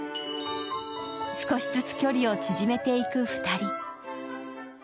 少しずつ距離を縮めていく２人。